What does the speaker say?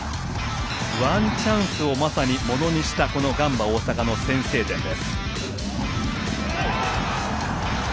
ワンチャンスをまさにものにしたガンバ大阪の先制点です。